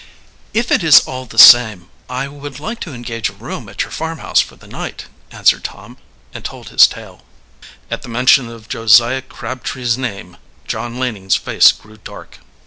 "If it is all the same, I would like to engage a room at your farmhouse for the night," answered Tom, and told his tale. At the mention of Josiah Crabtree's name John Laning's face grew dark.